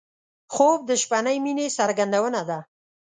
خوب د شپهنۍ مینې څرګندونه ده